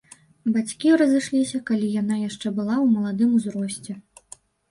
Бацькі разышліся, калі яна яшчэ была ў маладым узросце.